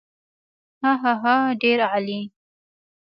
هاهاها ډېر عالي.